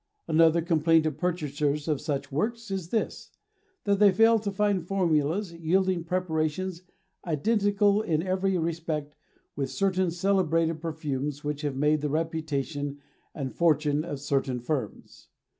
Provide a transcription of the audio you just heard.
Another complaint of purchasers of such works is this: that they fail to find formulas yielding preparations identical in every respect with certain celebrated perfumes which have made the reputation and fortune of certain firms.